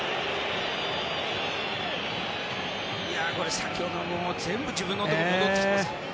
先ほどの、全部自分のところに戻ってきて。